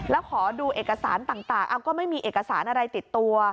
แล้วขอดูเอกสารต่างก็ไม่มีเอกสารอะไรติดตัว